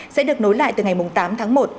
sẽ được nối lại từ ngày tám tháng một